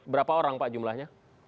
berapa orang pak jumlahnya